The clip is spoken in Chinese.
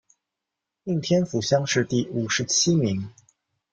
应天府乡试第五十七名。